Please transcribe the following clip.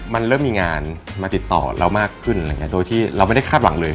มันเริ่มมีงานมาติดต่อเรามากขึ้นโดยที่เราไม่ได้คาดหวังเลย